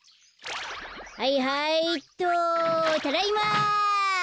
はいはいっとただいま。